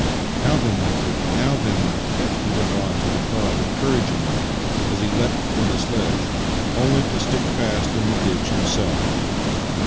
Now then, my beauty! Now then, my pet! " he went on to the cob encouragingly as he leapt from the sledge — only to stick fast in the ditch himself.